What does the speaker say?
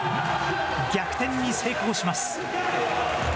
逆転に成功します。